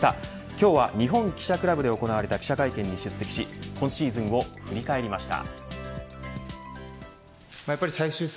今日は日本記者クラブで行われた記者会見に出席し今シーズンを振り返りました。